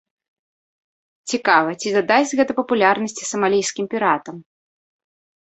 Цікава, ці дадасць гэта папулярнасці самалійскім піратам.